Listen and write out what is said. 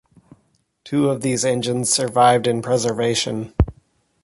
Two of these engines survived into preservation.